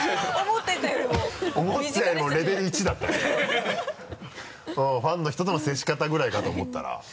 思ってたよりもレベル１だったねファンの人との接し方ぐらいかと思ったら。